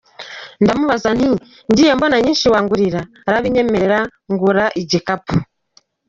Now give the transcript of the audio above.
Ndamubaza nti ngiye mbona nyinshi wangurira ? Arabinyemerera ngura igikapu,… .